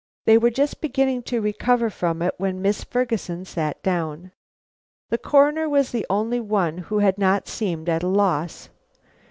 They were just beginning to recover from it when Miss Ferguson sat down. The Coroner was the only one who had not seemed at a loss.